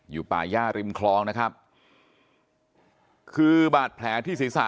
อยู่ป่าย่าริมคลองคือบาดแผลที่ศีรษะ